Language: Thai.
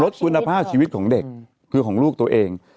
คุณภาพชีวิตของเด็กคือของลูกตัวเอง